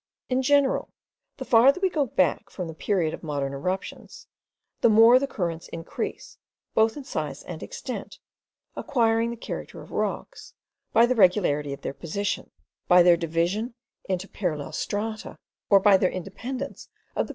In general, the farther we go back from the period of modern eruptions, the more the currents increase both in size and extent, acquiring the character of rocks, by the regularity of their position, by their division into parallel strata, or by their independence of the present form of the ground.